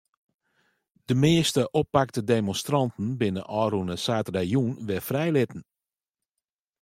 De measte oppakte demonstranten binne ôfrûne saterdeitejûn wer frijlitten.